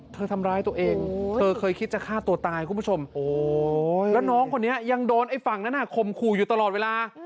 ทำร้ายตัวเองเธอเคยคิดจะฆ่าตัวตายคุณผู้ชมแล้วน้องคนนี้ยังโดนไอ้ฝั่งนั้นข่มขู่อยู่ตลอดเวลา